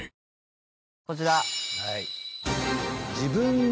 こちら。